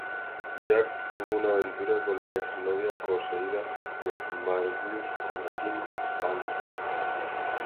Jack tuvo una aventura con la ex novia poseída de Morbius Martine Bancroft.